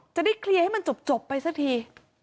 จะได้เคลียร์ให้มันจบไปสักที